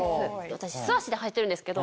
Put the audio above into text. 私素足で履いてるんですけど。